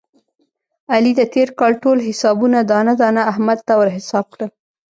علي د تېر کال ټول حسابونه دانه دانه احمد ته ور حساب کړل.